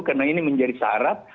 karena ini menjadi syarat